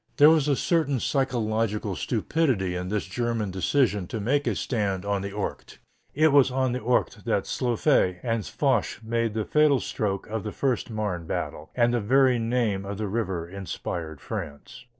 There was a certain psychological stupidity in this German decision to make a stand on the Ourcq. It was on the Ourcq that Joffre and Foch made the fatal stroke of the first Marne battle, and the very name of the river inspired France.